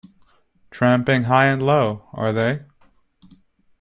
Tramping high and low, are they?